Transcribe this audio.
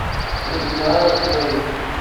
Ur zmireɣ ad dduɣ yid-k.